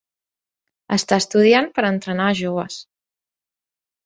Està estudiant per entrenar a joves.